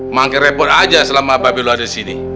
makin repot aja selama babi lo ada di sini